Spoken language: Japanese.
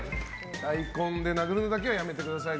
大根で殴るのだけはやめてください。